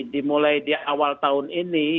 dimulai di awal tahun ini